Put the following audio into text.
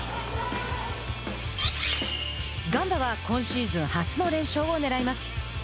ガンバは今シーズン初の連勝をねらいます。